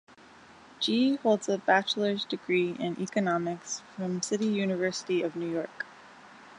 Jee holds a bachelor's degree in Economics from City University of New York.